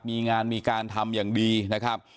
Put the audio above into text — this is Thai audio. มีงานมีการทำอย่างดีนะครับ